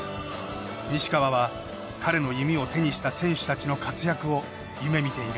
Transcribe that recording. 西川は彼の弓を手にした選手たちの活躍を夢みている。